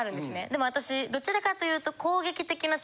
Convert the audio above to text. でも私どちらかというと。